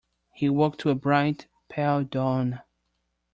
He woke to a bright, pale dawn.